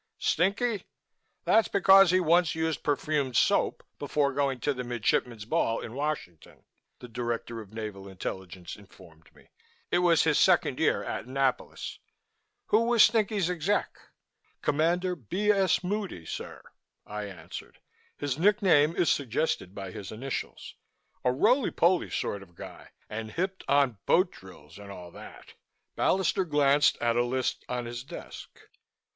"Stinky? That's because he once used perfumed soap before going to the Midshipmen's Ball in Washington," the Director of Naval Intelligence informed me. "It was his second year at Annapolis. Who was Stinky's exec?" "Commander B. S. Moody, sir!" I answered. "His nickname is suggested by his initials a roly poly sort of guy and hipped on boat drills and all that." Ballister glanced at a list on his desk.